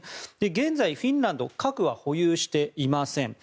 現在、フィンランドは核は保有していません。